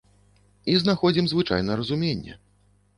І знаходзім звычайна разуменне.